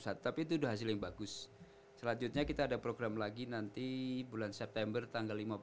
tapi itu udah hasil yang bagus selanjutnya kita ada program lagi nanti bulan september tanggal lima belas